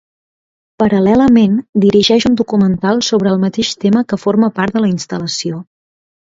Paral·lelament, dirigeix un documental sobre el mateix tema que forma part de la instal·lació.